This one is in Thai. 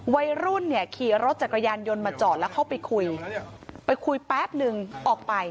วัยรุ่นเนี่ยขี่รถจักรยานยนต์มาจอดแล้วเข้าไปคุยไปคุยแป๊บนึงออกไป